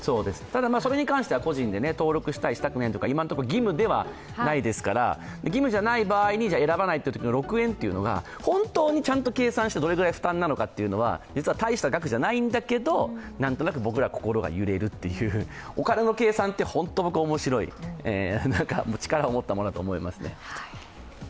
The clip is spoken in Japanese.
それに関しては個人で登録し対したくないというのは今のところ義務ではないですから義務じゃない場合に、選ばないときの６円というのが本当にちゃんと計算してどれぐらい負担なのかというのは、実は大した額じゃないんだけど、なんとなく僕らの心が揺れるというお金の計算って本当に面白い力を持ったものだと思いますね。